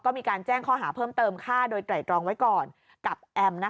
ก็มีการแจ้งข้อหาเพิ่มเติมฆ่าโดยไตรตรองไว้ก่อนกับแอม